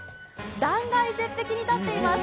断崖絶壁に建っています！